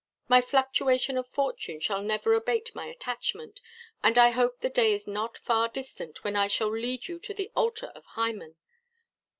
My fluctuation of fortune shall never abate my attachment, and I hope the day is not far distant, when I shall lead you to the altar of Hymen.